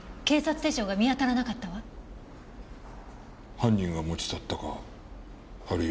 犯人が持ち去ったかあるいは。